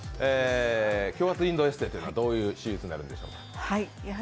強圧インドエステというのはどういう施術になるんでしょうか？